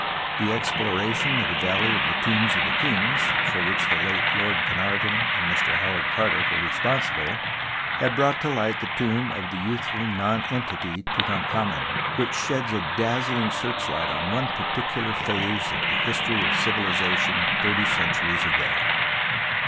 The exploration of the \^alley of the Tombs of the Kings, for which the late Lord Carnarvon and ]Mr Howard Carter were responsible, had brouglit to light the tomb of the youthful nonentity Tutan khamen, which sheds a dazzling searchlight on one particular phase of the history of civiliza 9 B 10 TUTANKHAMEN tion thirty centuries ago.